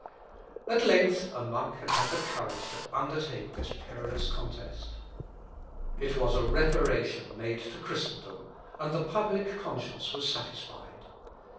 At length a monk had had the courage to undertake this perilous contest. It was a reparation made to Christendom, and the public conscience was satisfied.